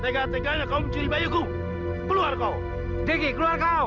tega teganya kau mencuri bayiku peluang kau gigi keluar kau